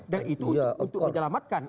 dan itu untuk menyelamatkan